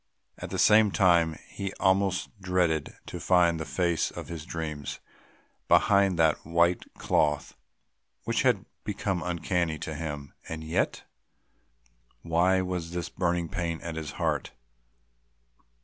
At the same time he almost dreaded to find the face of his dreams behind that white cloth which had become uncanny to him ... and yet?... why was this burning pain at his heart?